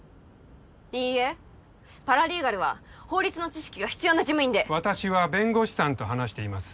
いいえパラリーガルは法律の知識が必要な事務員で私は弁護士さんと話しています